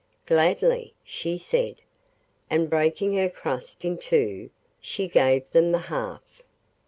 'Gladly,' she said, and breaking her crust in two, she gave them the half.